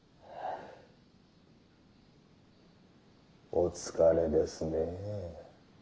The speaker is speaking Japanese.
お疲れですねぇ。